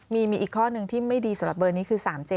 มีอีกข้อหนึ่งที่ไม่ดีสำหรับเบอร์นี้คือ๓๗